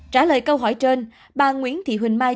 trả lời câu hỏi trên bà nguyễn thị huỳnh mai